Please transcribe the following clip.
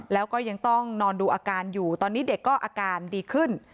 แล้วก็ยังต้องนอนดูอาการอยู่ตอนนี้เด็กก็อาการดีขึ้น